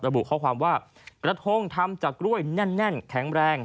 ระบุข้อความว่ากระทงทำจากกล้วยแน่นแข็งแรง